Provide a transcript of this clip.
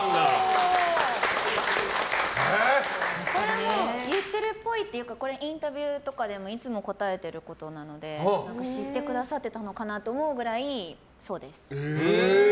これは言ってるっぽいというかこれ、インタビューとかでもいつも答えてることなので知ってくださってたのかなと思うくらいそうです。